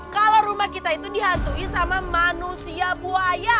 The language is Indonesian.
kalau rumah kita itu dihantui sama manusia buaya